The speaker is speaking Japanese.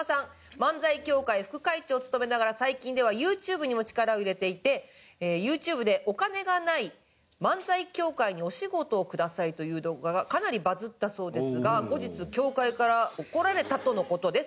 「漫才協会副会長を務めながら最近ではＹｏｕＴｕｂｅにも力を入れていてユーチューブで“お金がない漫才協会にお仕事をください”という動画がかなりバズったそうですが後日協会から怒られたとの事です」